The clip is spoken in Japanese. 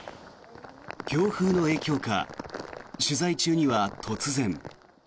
強風の影響か取材中には突然。